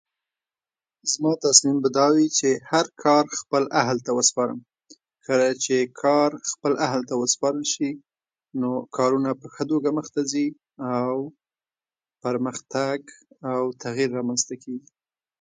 زما تصميم په ده وي چې هر کار خپل اهل ته وسپارم. کله چې کار خپل اهل ته وسپارل شي، نو کارونه په ښه توګه مخته ځي او پرمختګ او تغير رامنځته کېږي.